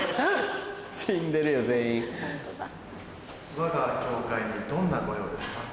我が教会にどんなご用ですか？